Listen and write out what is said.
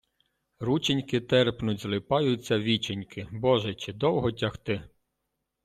Рученьки терпнуть, злипаються віченькі, Боже, чи довго тягти?